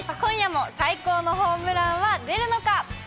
今夜も最高のホームランは出るのか？